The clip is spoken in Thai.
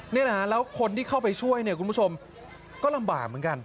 นี่แหละฮะแล้วคนที่เข้าไปช่วยเนี่ยคุณผู้ชมก็ลำบากเหมือนกัน